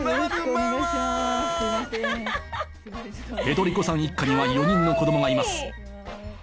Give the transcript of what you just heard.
ペドリコさん一家には４人の子供がいます